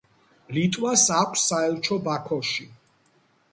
ლიტვას აქვს საელჩო ბაქოში.